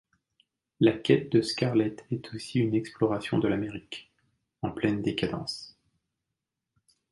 La quête de Scarlet est aussi une exploration de l'Amérique, en pleine décadence.